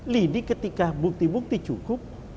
lidik ketika bukti bukti cukup